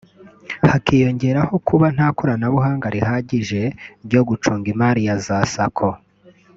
hakiyongeraho no kuba nta koranabuhanga rihagije ryo gucunga imari ya za Sacco